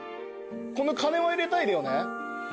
この鐘も入れたいだよね。